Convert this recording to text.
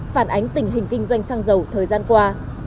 phản ánh tình hình kinh doanh xăng dầu thời gian qua